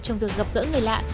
trong việc gặp gỡ người lạ